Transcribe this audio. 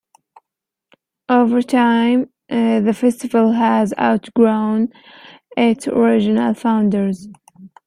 Over time, the festival has outgrown its original founders.